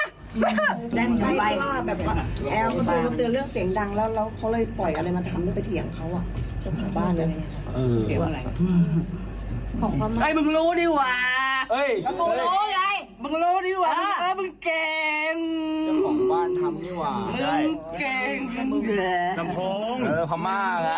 มึงรู้ไงมึงรู้ดีหว่ามึงเก่งมึงผมบ้านทำดิหว่า